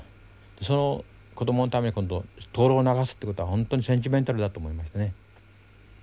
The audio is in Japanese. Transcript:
その子どものために今度灯籠を流すってことは本当にセンチメンタルだと思いましたね。